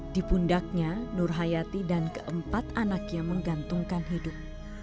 di pundaknya nurhayati dan keempat anaknya menggantungkan hidup